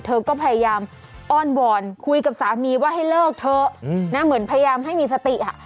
เธอก็พยายามอ้อนวอนคุยกับสามีว่าให้เลิกเถอะนะเหมือนพยายามให้มีสติอ่ะ